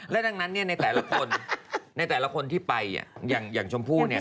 และดังนั้นเนี่ยในแต่ละคนในแต่ละคนที่ไปอย่างชมพู่เนี่ย